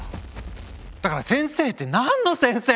だから先生って何の先生？